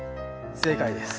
正解です。